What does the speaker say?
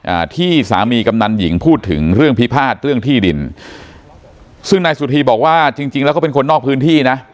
อ่าที่สามีกำนันหญิงพูดถึงเรื่องพิพาทเรื่องที่ดินซึ่งนายสุธีบอกว่าจริงจริงแล้วก็เป็นคนนอกพื้นที่นะ